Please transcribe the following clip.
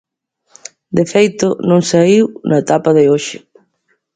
De feito, non saíu na etapa de hoxe.